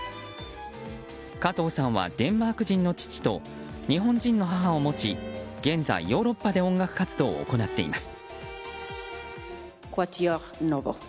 加藤さんはデンマーク人の父と日本人の母を持ち現在、ヨーロッパで音楽活動を行っています。